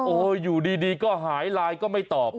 โอ้โหอยู่ดีก็หายไลน์ก็ไม่ตอบ